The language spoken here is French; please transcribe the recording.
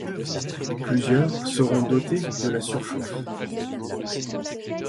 Plusieurs seront dotées de la surchauffe.